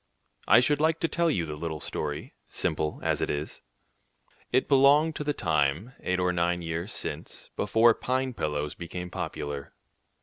I should like to tell you the little story, simple as it is. It belongs to the time, eight or nine years since, before pine pillows became popular.